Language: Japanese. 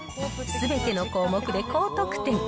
すべての項目で高得点。